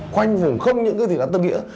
khoanh vùng không những cái thị trấn tân nghĩa